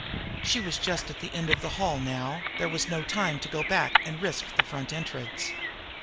She was just at the end of the hall now. There was no time to go back and risk the front entrance.